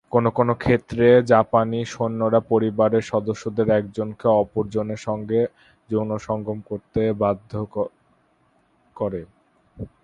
কোনো কোনো ক্ষেত্রে জাপানি সৈন্যরা পরিবারের সদস্যদের একজনকে অপর জনের সঙ্গে যৌনসঙ্গম করতে বাধ্য করে।